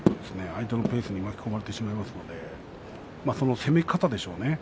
相手のペースに巻き込まれてしまいますので攻め方でしょうね。